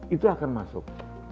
itu akan masuk